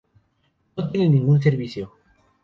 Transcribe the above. No tiene ningún servicio.